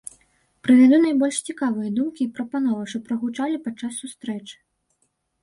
Прывяду найбольш цікавыя думкі і прапановы, што прагучалі падчас сустрэчы.